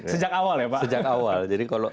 sejak awal ya pak sejak awal jadi kalau